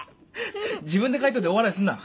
自分で書いといて大笑いすんな。